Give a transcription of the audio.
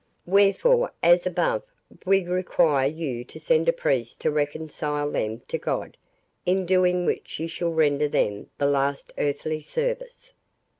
Wherefore, as above, we require you to send a priest to reconcile them to God, in doing which you shall render them the last earthly service."